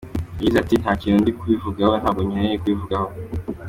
Yagize ati “Nta kintu ndi kubivugaho, ntabwo nkeneye kubivugaho.